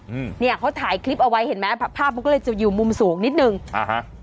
อืมเนี้ยเขาถ่ายคลิปเอาไว้เห็นไหมภาพมันก็เลยจะอยู่มุมสูงนิดหนึ่งอ่าฮะ